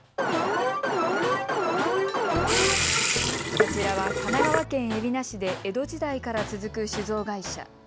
こちらは神奈川県海老名市で江戸時代から続く酒造会社。